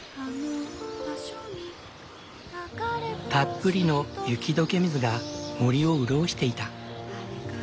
たっぷりの雪解け水が森を潤していた。